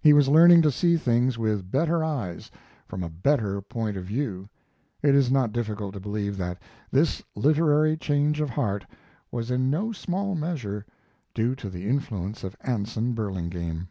He was learning to see things with better eyes, from a better point of view. It is not difficult to believe that this literary change of heart was in no small measure due to the influence of Anson Burlingame.